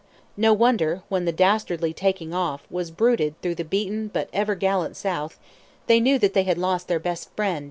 No wonder, when the dastardly taking off was bruited through the beaten but ever gallant South, they knew that they had lost "their best friend!"